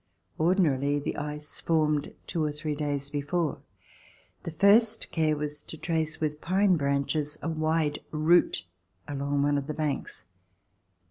Ordinarily the ice formed two or three days before. The first care was to trace with j)ine branches a wide route along one of the banks.